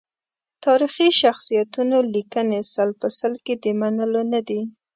تاریخي شخصیتونو لیکنې سل په سل کې د منلو ندي.